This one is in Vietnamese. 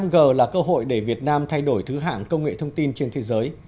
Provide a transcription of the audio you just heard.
năm g là cơ hội để việt nam thay đổi thứ hạng công nghệ thông tin trên thế giới